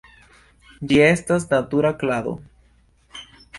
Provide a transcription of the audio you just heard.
Ĝi estas natura klado.